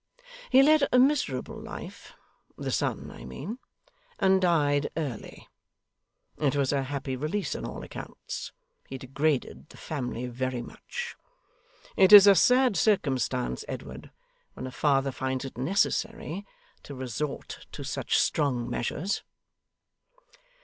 He led a miserable life (the son, I mean) and died early; it was a happy release on all accounts; he degraded the family very much. It is a sad circumstance, Edward, when a father finds it necessary to resort to such strong measures.